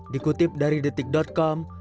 dikutip dari detik com